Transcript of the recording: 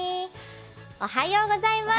おはようございます。